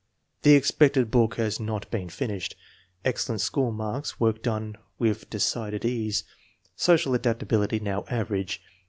The expected book has not been finished. Excellent school marks; work done with decided ease. Social adaptability now average.